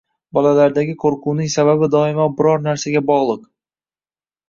Bolalardagi qo‘rquvning sababi doimo biror narsaga bog‘liq.